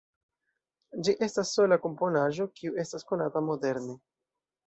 Ĝi estas sola komponaĵo kiu estas konata moderne.